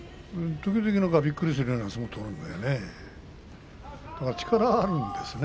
時々びっくりするような相撲を取りますね。